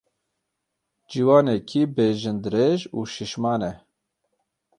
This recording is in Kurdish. Ciwanekî bejindirêj û şîşman e.